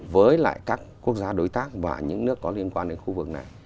với lại các quốc gia đối tác và những nước có liên quan đến khu vực này